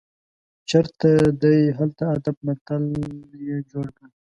چیرته ډب، هلته ادب متل یې جوړ کړ.